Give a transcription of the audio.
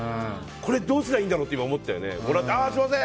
これ、どうすればいいんだろうと思ったよね。